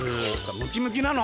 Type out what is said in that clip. ムキムキなの？